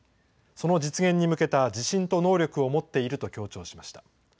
その実現に向けた自信と能力を持っていると強調しました。